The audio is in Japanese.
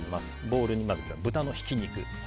ボウルに今日は豚のひき肉。